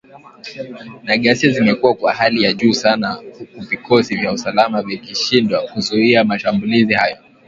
na ghasia zimekuwa kwa hali ya juu sana huku vikosi vya usalama vikishindwa kuzuia mashambulizi hayo